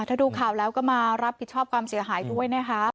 ถ้าดูข่าวแล้วก็มารับผิดชอบความเสียหายด้วยนะครับ